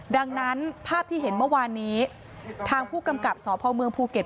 ดังนั้นภาพที่เห็นเมื่อวานนี้ทางผู้กำกับสพเมืองภูเก็ต